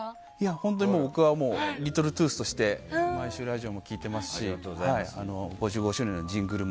本当に僕はもうリトルトゥースとして毎週、ラジオも聞いていますし５５周年のジングル。